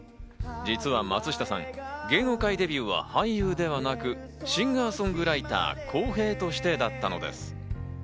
実は松下さん、芸能界デビューは俳優ではなく、シンガー・ソングライターの洸平としてだったのです。